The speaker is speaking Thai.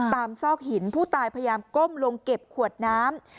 ซอกหินผู้ตายพยายามก้มลงเก็บขวดน้ำ